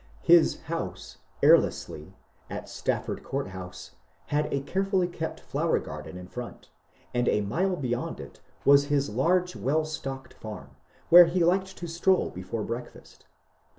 His house, (^ Erleslie," at Stafford Court House, had a carefully kept flower garden in front, and a mile beyond it was his large well stocked farm, where he liked to stroll before breakfast.